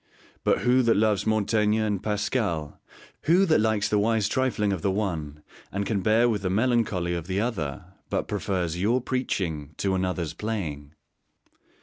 But who that loves Montaigne and Pascal, who that likes the wise trifling of the one and can bear with the melancholy of the other, but prefers your preaching to another's playing!